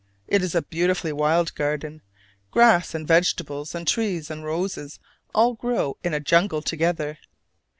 It is a beautifully wild garden: grass and vegetables and trees and roses all grow in a jungle together.